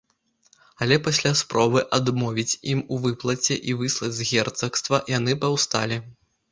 Але пасля спробы адмовіць ім у выплаце і выслаць з герцагства, яны паўсталі.